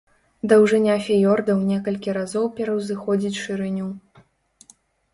Даўжыня фіёрда ў некалькі разоў пераўзыходзіць шырыню.